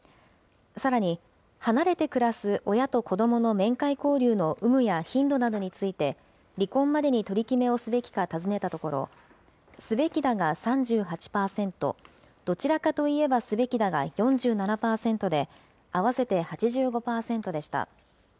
さらに離れて暮らす親と子どもの面会交流の有無や頻度などについて、離婚までに取り決めをすべきか尋ねたところ、すべきだが３８％、どちらかといえばすべきだが４７％で、合わせて８５％でした。